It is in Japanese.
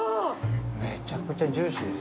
めちゃくちゃジューシーです。